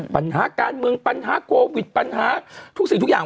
ปัญหาการเมืองปัญหาโควิดปัญหาทุกสิ่งทุกอย่าง